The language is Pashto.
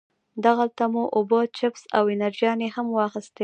دغلته مو اوبه، چپس او انرژيانې هم واخيستې.